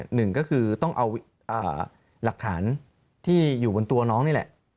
หนึ่งก็คือต้องเอาหลักฐานที่อยู่บนตัวน้องนี่แหละ